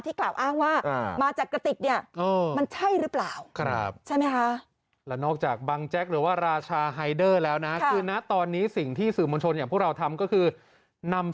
กล่าวอ้างว่ามาจากกระติกเนี่ยมันใช่หรือเปล่า